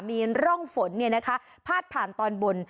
มีร่องฝนเนี่ยนะคะพาดผ่านตอนบน